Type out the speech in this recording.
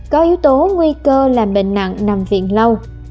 có yếu tố nguy cơ là bệnh nặng nằm viện lâu